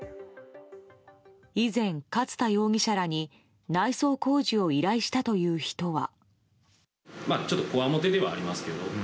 以前、勝田容疑者らに内装工事を依頼したという人は。